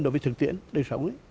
đối với thực tiễn đời sống